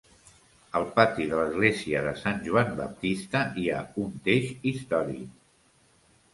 Al pati de l'església de Sant Joan Baptista hi ha un teix històric.